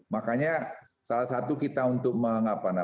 makanya salah satu kita untuk mengendalikan ini